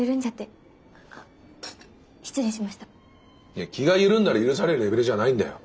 いや気が緩んだら許されるレベルじゃないんだよ。